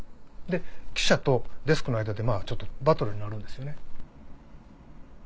記者とデスクの間でちょっとバトルになるんですよね。